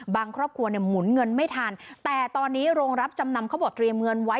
ครอบครัวเนี่ยหมุนเงินไม่ทันแต่ตอนนี้โรงรับจำนำเขาบอกเตรียมเงินไว้